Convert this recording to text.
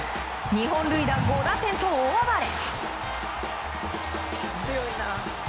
２本塁打５打点と大暴れ！